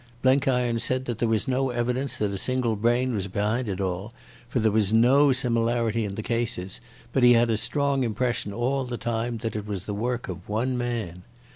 Blenkiron said that there was no evidence that a single brain was behind it all, for there was no similarity in the cases, but he had a strong impression all the time that it was the work of one man.